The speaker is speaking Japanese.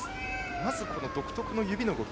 まず、この独特な指の動き。